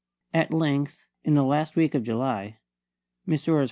At length, in the last week of July, Messrs.